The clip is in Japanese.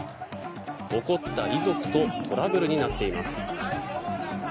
怒った遺族とトラブルになっています。